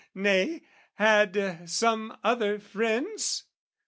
Nay, had some other friend's...